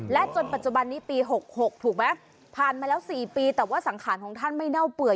จนปัจจุบันนี้ปี๖๖ถูกไหมผ่านมาแล้ว๔ปีแต่ว่าสังขารของท่านไม่เน่าเปื่อย